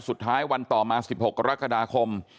สุดท้ายวันต่อมา๑๖กรกฎาคม